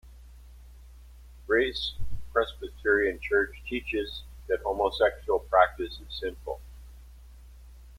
Grace Presbyterian Church teaches that homosexual practice is sinful.